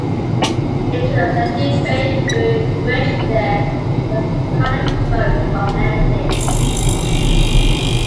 It was a debate during which there was not a vote on anything.